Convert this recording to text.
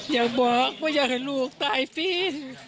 อยากบอกว่าอยากให้ลูกตายฟิน